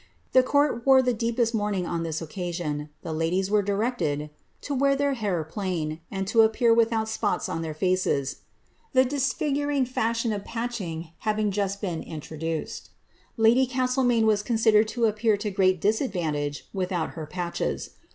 The court wore the deepest mourning on this occasion ; the ladies were directed ^' to wear their hair plain, and to appear without spots on their faco V the disfiguring fashion of patching having just been introduced. Lady Castlemaine was considered to appear to great disadvantage with out her patches.